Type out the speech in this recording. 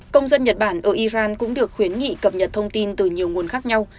công dân nhật bản ở iran cũng được khuyến nghị cập nhật thông tin từ nhiều nguồn khác nhau